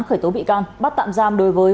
khởi tố bị can bắt tạm giam đối với